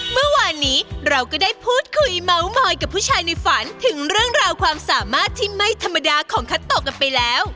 เมื่อวานนี้เราก็ได้พูดคุยเมาส์มอยกับผู้ชายในฝันถึงเรื่องราวความสามารถที่ไม่ธรรมดาของคัตโตกันไปแล้ว